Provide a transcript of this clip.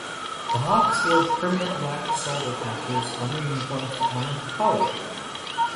The Hawks wore permanent black shoulder patches on their uniforms to honor Collier.